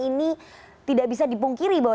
ini tidak bisa dipungkiri bahwa